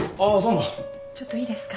ちょっといいですか？